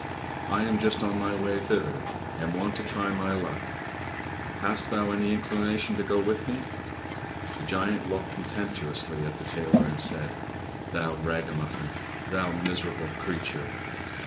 I am just on my way thither, and want to try my luck. Hast thou any inclination to go with me?" The giant looked contemptuously at the tailor, and said, "Thou ragamuffin! Thou miserable creature!"